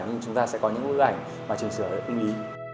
nhưng chúng ta sẽ có những bức ảnh mà trình sửa cũng ý